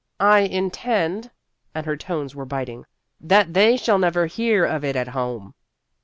" I intend," and her tones were biting, " that they shall never hear of it at home."